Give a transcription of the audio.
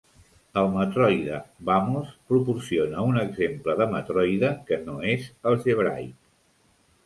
El matroide Vámos proporciona un exemple de matroide que no és algebraic.